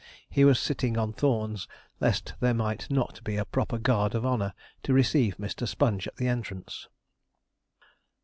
He was sitting on thorns lest there might not be a proper guard of honour to receive Mr. Sponge at the entrance.